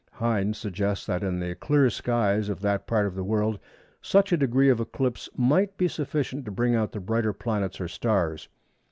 Hind suggests that in the clear skies of that part of the world such a degree of eclipse might be sufficient to bring out the brighter planets or stars.